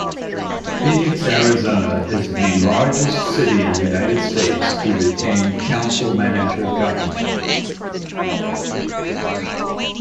Phoenix, Arizona is the largest city in the United States to retain council-manager government.